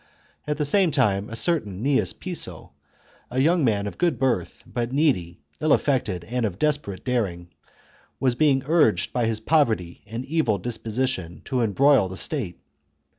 At the same time a certain Gnaeus Piso, a young man of good birth but needy, ill affected and of desperate daring, was being urged by his poverty and evil dis position to embroil the State.